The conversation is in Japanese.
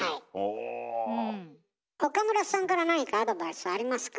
岡村さんから何かアドバイスありますか？